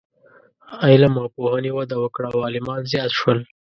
علم او پوهنې وده وکړه او عالمان زیات شول.